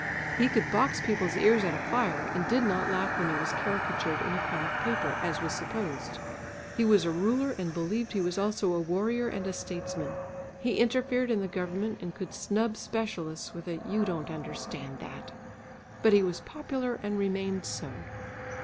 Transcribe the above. He could box people's ears at a fire, and did not laugh when he was caricatured in a comic paper, as was supposed. He was a ruler and believed he was also a warrior and a statesman; he interfered in the government and could snub specialists with a "You don't understand that!" But he was popular and remained so.